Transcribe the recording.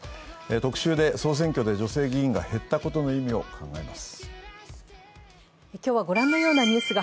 特集で、総選挙で女性議員が減ったことの意味を考えます。